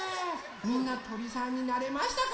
みんなとりさんになれましたか？